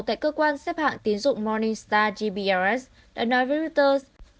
tại cơ quan xếp hạng tín dụng morningstar gprs đã nói với reuters